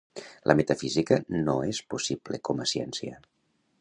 La metafísica no és possible com a ciència.